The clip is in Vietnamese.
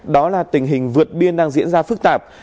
đó là tình hình vượt biên đang diễn ra phức tạp